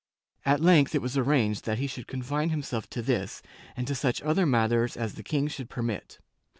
At length it was arranged that he should confine himself to this, and to such other matters as the king should permit.